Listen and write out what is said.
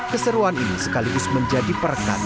keseruan ini sekaligus menjadi perkataan